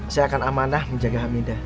saya akan amanah menjaga hamidah